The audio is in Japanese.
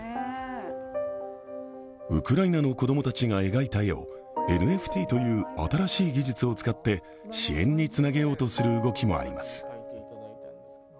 ウクライナの子供たちが描いた絵をＮＦＴという新しい技術を使って支援につなげようとする動きもあります。